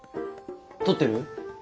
取ってる？